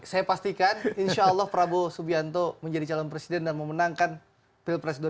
saya pastikan insya allah prabowo subianto menjadi calon presiden dan memenangkan pilpres dua ribu sembilan belas